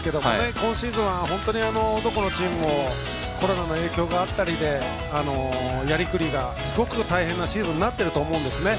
今シーズンはどこのチームもコロナの影響があったりでやりくりがすごく大変なシーズンになっていると思うんですね。